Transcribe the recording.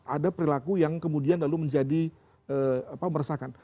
ada perilaku yang kemudian lalu menjadi meresahkan